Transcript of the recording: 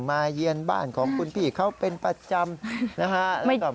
มาเยี่ยนบ้านของคุณพี่เขาเป็นประจำนะครับ